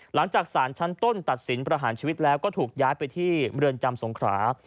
หลังจากสารชั้นต้นตัดสินประหารชีวิตแล้วก็ถูกย้ายไปที่เมืองจำสงขรา